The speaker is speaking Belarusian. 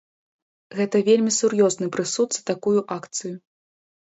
Гэта вельмі сур'ёзны прысуд за такую акцыю.